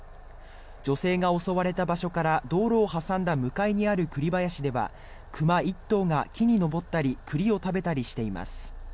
女性が襲われた場所から道路を挟んだ向かいにある栗林では熊１頭が木に登ったり栗を食べたりしています。